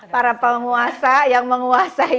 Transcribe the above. para penguasa yang menguasai